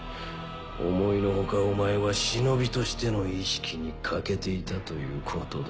思いのほかお前は忍としての意識に欠けていたということだ。